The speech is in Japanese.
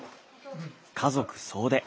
家族総出。